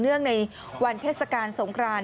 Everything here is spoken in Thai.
เนื่องในวันเทศกาลสงคราน